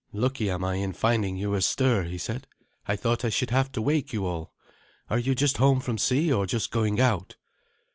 "Lucky am I in finding you astir," he said. "I thought I should have had to wake you all. Are you just home from sea, or just going out?"